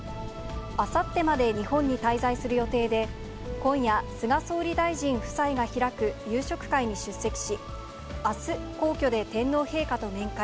あさってまで日本に滞在する予定で、今夜、菅総理大臣夫妻が開く夕食会に出席し、あす、皇居で天皇陛下と面会。